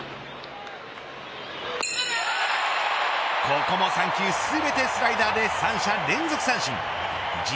ここも３球全てでスライダーで三者連続三振。